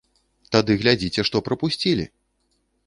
Тады глядзіце, што прапусцілі!